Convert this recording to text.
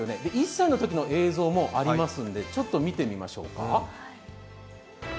１歳のときの映像もありますのでちょっと見てみましょうか。